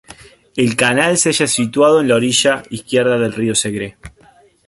El canal se halla situado en la orilla izquierda del río Segre.